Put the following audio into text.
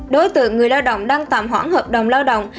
đối tượng người lao động đang tạm hoãn hợp đồng lao động